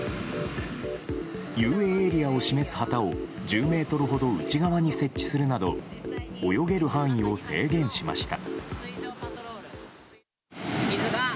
遊泳エリアを示す旗を１０ｍほど内側に設置するなど泳げる範囲を制限しました。